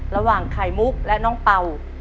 ระหว่างไข่มุกและน้องเป่า